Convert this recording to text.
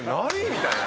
みたいな。